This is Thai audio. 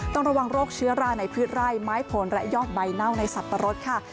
ต้องระวังโรคเชื้อราในพืชไร่ไม้ผลและยอดใบเน่าในสับปะรดค่ะ